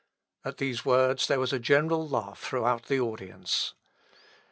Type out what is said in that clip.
" At these words there was a general laugh throughout the audience.